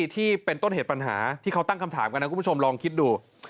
ที่เป็นต้นเหตุปัญหาที่เขาตั้งคำถามกันนะคุณผู้ชมลองคิดดู